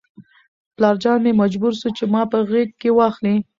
پلارجان مې مجبور شو چې ما په غېږ کې واخلي.